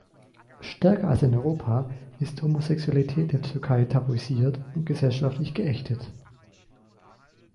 Stärker als in Europa ist Homosexualität in der Türkei tabuisiert und gesellschaftlich geächtet.